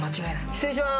失礼します。